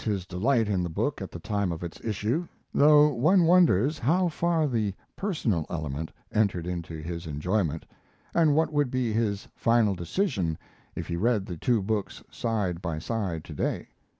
his delight in the book at the time of its issue, though one wonders how far the personal element entered into his enjoyment, and what would be his final decision if he read the two books side by side to day.